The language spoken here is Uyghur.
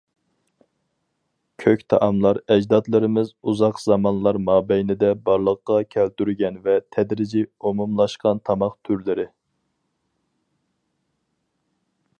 كۆك تائاملار ئەجدادلىرىمىز ئۇزاق زامانلار مابەينىدە بارلىققا كەلتۈرگەن ۋە تەدرىجىي ئومۇملاشقان تاماق تۈرلىرى.